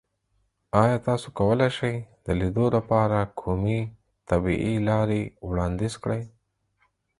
ایا تاسو کولی شئ د لیدو لپاره کومې طبیعي لارې وړاندیز کړئ؟